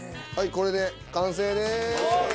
これで完成でーす！